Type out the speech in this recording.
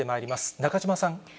中島さん。